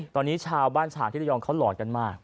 ตอนนี้ชาวบ้านฉากที่ระยองเขาหลอนกันมาก